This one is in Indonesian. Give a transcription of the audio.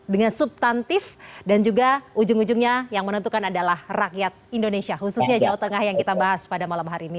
dengan subtantif dan juga ujung ujungnya yang menentukan adalah rakyat indonesia khususnya jawa tengah yang kita bahas pada malam hari ini